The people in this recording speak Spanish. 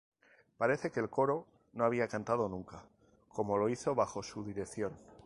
Parece que el coro no había cantado nunca como lo hizo bajo su dirección.